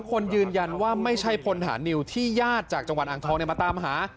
คนยืนยันว่าไม่ใช่พลฐานนิวที่ญาติจากจังหวัดอ่างทองมาตามหา